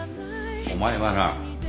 お前はな